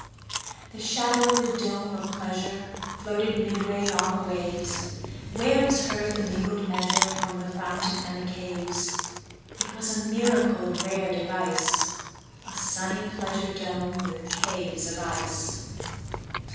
30 The shadow of the dome of pleasure Floated midway on the waves; Where was heard the mingled measure From the fountain and the caves. It was a miracle of rare device, 35 A sunny pleasure dome with caves of ice!